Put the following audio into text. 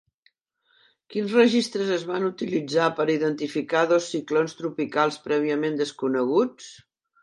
Quins registres es van utilitzar per identificar dos ciclons tropicals prèviament desconeguts?